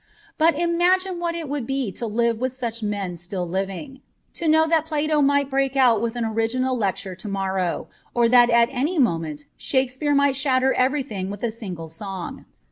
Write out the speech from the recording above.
But imagine what it would be to live with such men still living. To know that Plato might break out with an original lecture to morrow, or that at any moment Shake speare might shatter everything with a single song.